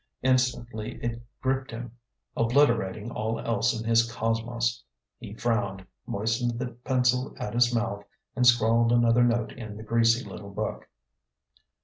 Instantly it gripped him, obliterating all else in his cosmos. He frowned, moistened the pencil at his mouth, and scrawled another note in the greasy little book.